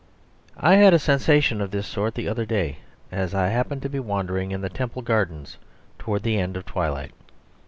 ..... I had a sensation of this sort the other day as I happened to be wandering in the Temple Gardens towards the end of twilight.